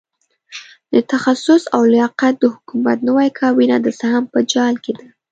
د تخصص او لیاقت د حکومت نوې کابینه د سهم په جال کې ده.